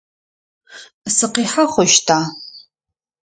Сыкъихьэ хъущта?